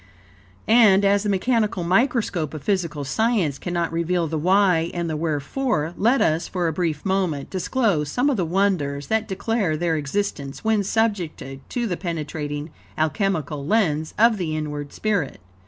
And, as the mechanical microscope of physical science cannot reveal the why and the wherefore, let us, for a brief moment, disclose some of the wonders that declare their existence, when subjected to the penetrating alchemical lens, of the inward spirit.